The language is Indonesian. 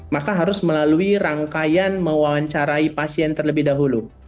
maka harus melalui rangkaian mewawancarai pasien terlebih dahulu